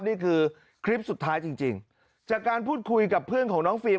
นี่คือคลิปสุดท้ายจริงจากการพูดคุยกับเพื่อนของน้องฟิล์ม